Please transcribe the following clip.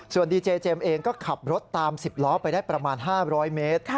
ส่วนดีเจเจมส์เองก็ขับรถตาม๑๐ล้อไปได้ประมาณ๕๐๐เมตร